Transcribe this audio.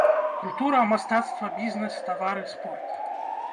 Культура, мастацтва, бізнес, тавары, спорт.